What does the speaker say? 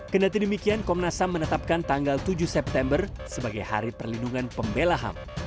kedatian demikian komnas ham menetapkan tanggal tujuh september sebagai hari perlindungan pembela ham